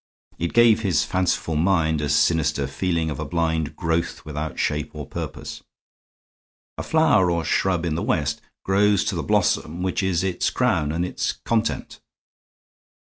It gave his fanciful mind a sinister feeling of a blind growth without shape or purpose. A flower or shrub in the West grows to the blossom which is its crown, and is content.